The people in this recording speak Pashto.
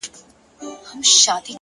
اراده د ستونزو د ماتولو لومړی ځواک دی